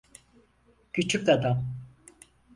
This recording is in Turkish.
Küçük adam.